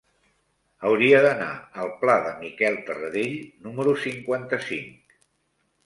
Hauria d'anar al pla de Miquel Tarradell número cinquanta-cinc.